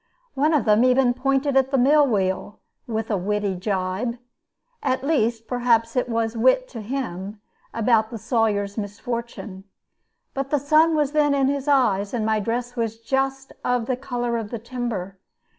One of them even pointed at my mill wheel with a witty gibe at least, perhaps, it was wit to him about the Sawyer's misfortune; but the sun was then in his eyes, and my dress was just of the color of the timber.